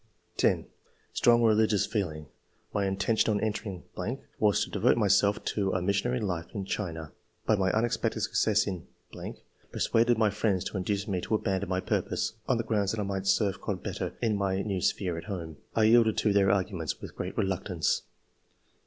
10. ''Strong re ligious feeling. My intention on entering ... was to devote myself to a missionary life in China ; but my unexpected success in ... per suaded my friends to induce me to abandon my purpose, on the ground that I might serve God better in my new sphere at home. I yielded to their arguments with great reluctance.''